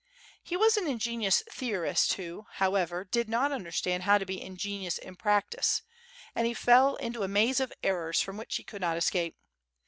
He was an ingenious theorist who, however, did not under stand how to be ingenious in practice, and he fell into a maze of errors from which he could not escape.